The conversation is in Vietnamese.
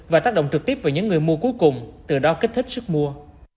và tác động trực tiếp vào những người mua cuối cùng từ đó kích thích sức mua